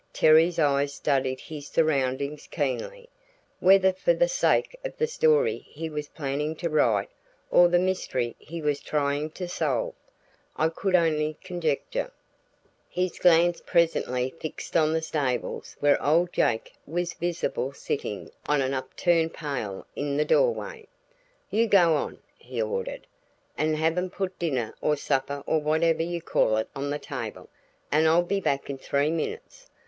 Terry's eyes studied his surroundings keenly, whether for the sake of the story he was planning to write or the mystery he was trying to solve, I could only conjecture. His glance presently fixed on the stables where old Uncle Jake was visible sitting on an upturned pail in the doorway. "You go on," he ordered, "and have 'em put dinner or supper or whatever you call it on the table, and I'll be back in three minutes.